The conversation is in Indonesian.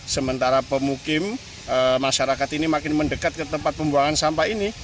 sementara pemukim masyarakat ini makin mendekat ke tempat pembuangan sampah ini